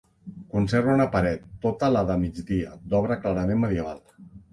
Conserva una paret, tota la de migdia, d'obra clarament medieval.